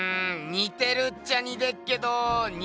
にてるっちゃにてっけどにてないっちゃ。